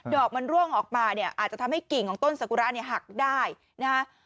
อกมันร่วงออกมาเนี่ยอาจจะทำให้กิ่งของต้นสกุระเนี่ยหักได้นะฮะ